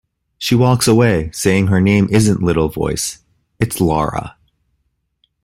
She walks away saying her name isn't Little Voice, it's Laura.